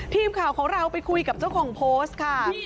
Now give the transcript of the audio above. ทีมข่าวของเราไปคุยกับเจ้าของโพสต์ค่ะ